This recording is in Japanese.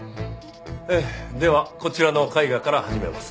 ではこちらの絵画から始めます。